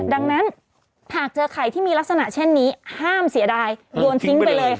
ดังนั้นหากเจอไข่ที่มีลักษณะเช่นนี้ห้ามเสียดายโยนทิ้งไปเลยค่ะ